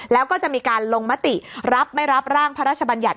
แล้วก็จะมีการลงมติรับไม่รับร่างพระราชบัญญัติ